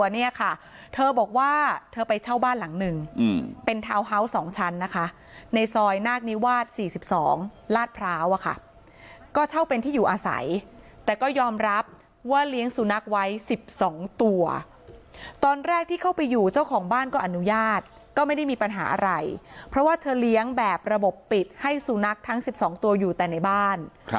นี่ค่ะเธอบอกว่าเธอไปเช่าบ้านหลังหนึ่งเป็นทาวน์เฮาส์สองชั้นนะคะในซอยนาฬิวาส๔๒ลาดพร้าวอะค่ะก็เช่าเป็นที่อยู่อาศัยแต่ก็ยอมรับว่าเลี้ยงสุนัขไว้๑๒ตัวตอนแรกที่เข้าไปอยู่เจ้าของบ้านก็อนุญาตก็ไม่ได้มีปัญหาอะไรเพราะว่า